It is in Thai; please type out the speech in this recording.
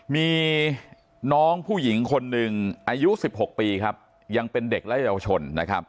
มีน้องผู้หญิงคนหนึ่งอายุ๑๖ปีครับยังเป็นเด็กและเยาวชนนะครับ